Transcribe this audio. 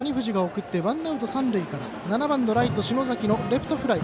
６番の谷藤が送ってワンアウト、三塁から７番、ライト篠崎のレフトフライ。